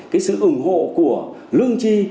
cái sự ủng hộ của lương tri